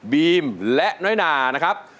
บีมและน้อยนานะครับ